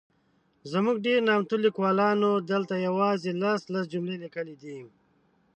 زموږ ډېر نامتو لیکوالانو دلته یوازي لس ،لس جملې لیکلي دي.